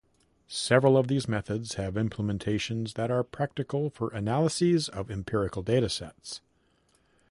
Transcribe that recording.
Several of these methods have implementations that are practical for analyses of empirical datasets.